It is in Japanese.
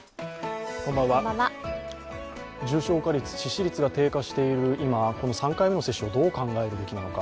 重症化率、致死率が低下している今３回目の接種をどう考えるべきなのか。